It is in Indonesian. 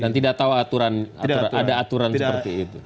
dan tidak tahu ada aturan seperti itu